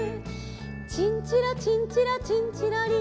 「チンチロチンチロチンチロリン」